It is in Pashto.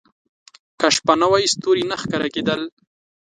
• که شپه نه وای، ستوري نه ښکاره کېدل.